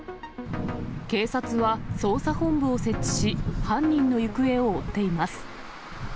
警察は捜査本部を設置し、犯人の行方を追っています。